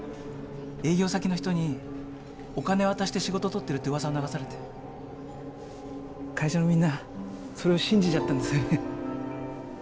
営業先の人にお金渡して仕事とってるってうわさを流されて会社のみんなそれを信じちゃったんですよね。